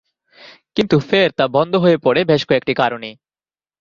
কিন্তু ফের তা বন্ধ হয়ে পরে বেশ কয়েকটি কারণে।